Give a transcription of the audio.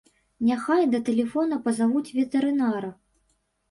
Няхай да тэлефона пазавуць ветэрынара.